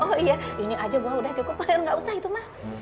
oh iya ini aja buah udah cukup gak usah itu ma